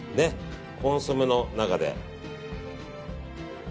コンソメの中で。